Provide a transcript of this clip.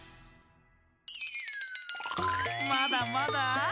まだまだ。